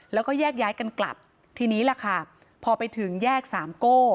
แล้วก็แยกย้ายกันกลับทีนี้ล่ะค่ะพอไปถึงแยกสามโก้